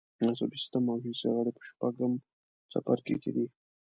عصبي سیستم او حسي غړي په شپږم څپرکي کې دي.